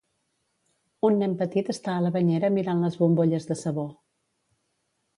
Un nen petit està a la banyera mirant les bombolles de sabó.